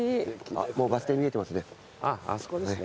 もうバス停見えてますね。